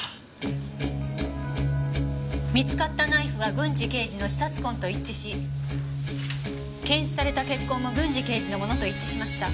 見つかったナイフは郡侍刑事の刺殺痕と一致し検出された血痕も郡侍刑事のものと一致しました。